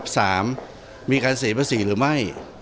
สามมีการเสียประสิทธิ์หรือไม่